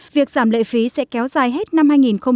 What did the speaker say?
việc giảm lệ phí sẽ kéo dài hết năm hai nghìn hai mươi